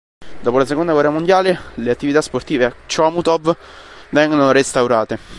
Dopo la seconda guerra mondiale le attività sportive a Chomutov vengono restaurate.